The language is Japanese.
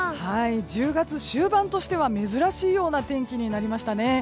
１０月終盤としては珍しいような天気でしたね。